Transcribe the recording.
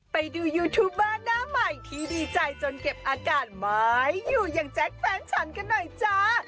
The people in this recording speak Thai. ไปดูยูทูบเบอร์หน้าใหม่ที่ดีใจจนเก็บอาการไม้อยู่อย่างแจ๊คแฟนฉันกันหน่อยจ้า